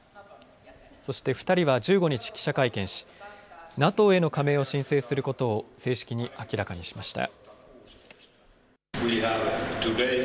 そして２人は１５日記者会見しＮＡＴＯへの加盟を申請することを正式に明らかにしました。